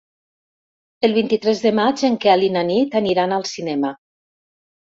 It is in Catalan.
El vint-i-tres de maig en Quel i na Nit aniran al cinema.